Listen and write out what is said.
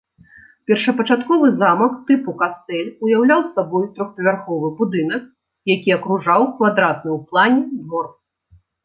Першапачатковы замак тыпу кастэль уяўляў сабой трохпавярховы будынак, які акружаў квадратны ў плане двор.